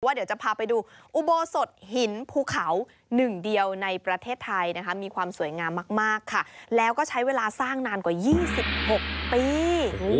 เดี๋ยวจะพาไปดูอุโบสถหินภูเขาหนึ่งเดียวในประเทศไทยนะคะมีความสวยงามมากค่ะแล้วก็ใช้เวลาสร้างนานกว่า๒๖ปี